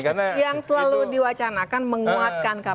karena yang selalu diwacanakan menguatkan kpk